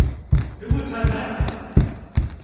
Who would turn that down?